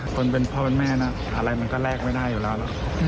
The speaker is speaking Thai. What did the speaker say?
คนเป็นพ่อเป็นแม่นะอะไรมันก็แลกไม่ได้อยู่แล้วล่ะ